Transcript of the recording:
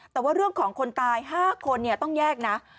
แต่ว่าเรื่องของคนตาย๕คนต้องแยกนะ